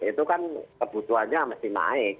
itu kan kebutuhannya mesti naik